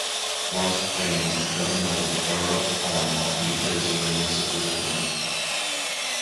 Morris Plains is governed under the Borough form of New Jersey municipal government.